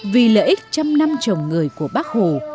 vì lợi ích trăm năm trồng người của bác hồ